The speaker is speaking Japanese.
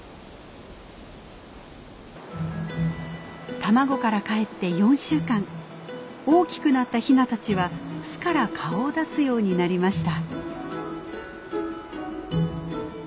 卵からかえって４週間大きくなったヒナたちは巣から顔を出すようになりました。